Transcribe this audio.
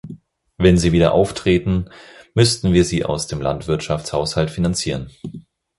Wenn sie wieder auftreten, müssten wir sie aus dem Landwirtschaftshaushalt finanzieren.